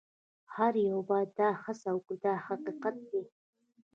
هر یو باید دا هڅه وکړي دا حقیقت دی.